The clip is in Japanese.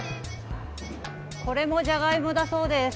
これもじゃがいもだそうです。